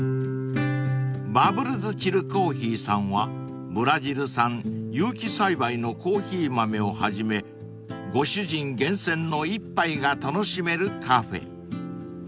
［バブルズチルコーヒーさんはブラジル産有機栽培のコーヒー豆をはじめご主人厳選の一杯が楽しめるカフェ］